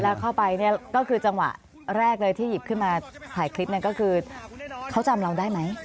แล้วเข้าไปเนี่ยก็คือจังหวะแรกเลยที่หยิบขึ้นมาถ่ายคลิปเนี่ยก็คือเขาจำเราได้ไหม